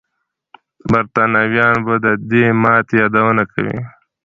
برتانويان به د دې ماتې یادونه کوي.